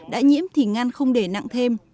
đã nhiễm thì ngăn không để nặng thêm